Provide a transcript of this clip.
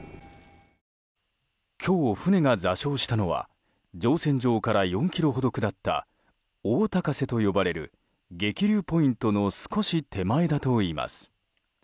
今日、船が座礁したのは乗船場から４ｋｍほど下った大高瀬と呼ばれる激流ポイントの少し手前だといいます。